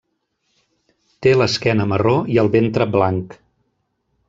Té l'esquena marró i el ventre blanc.